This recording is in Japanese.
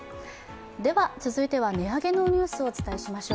続いては値上げのニュースをお伝えしましょう。